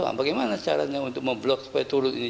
janganlah caranya untuk memblok supaya turun ini